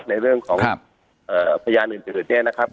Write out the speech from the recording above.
ในเรื่องของครับเอ่อพยานอื่นเกิดเนี่ยนะครับ